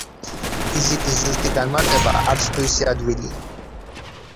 ფიზიკის ზუსტი განმარტება არც თუ ისე ადვილია.